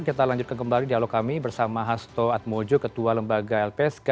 kita lanjutkan kembali dialog kami bersama hasto atmojo ketua lembaga lpsk